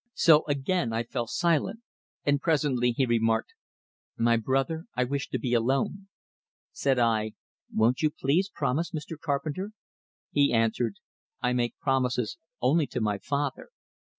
So again I fell silent; and presently he remarked: "My brother, I wish to be alone." Said I: "Won't you please promise, Mr. Carpenter " He answered: "I make promises only to my Father.